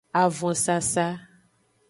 Avonsasa.